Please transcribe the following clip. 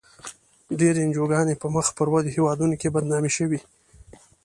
ډېری انجوګانې په مخ پر ودې هېوادونو کې بدنامې شوې.